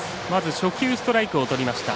初球ストライクをとりました。